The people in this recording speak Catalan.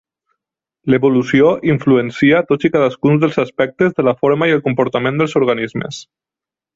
L'evolució influencia tots i cadascun dels aspectes de la forma i el comportament dels organismes.